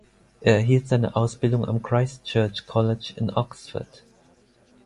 Er erhielt seine Ausbildung am Christ Church College in Oxford.